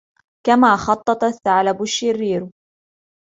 كما خطّط الثعلب الشرير